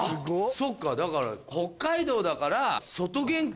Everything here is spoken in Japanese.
そっかだから北海道だから外玄関。